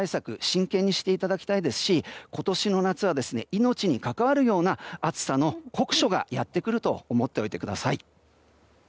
真剣にしていただきたいですし今年の夏は命に関わるような暑さの酷暑がやってくると思っておいてください。